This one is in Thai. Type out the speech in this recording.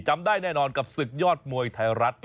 ได้แน่นอนกับศึกยอดมวยไทยรัฐ